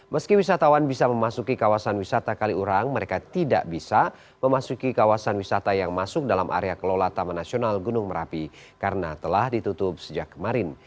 meski wisatawan bisa memasuki kawasan wisata kaliurang mereka tidak bisa memasuki kawasan wisata yang masuk dalam area kelola taman nasional gunung merapi karena telah ditutup sejak kemarin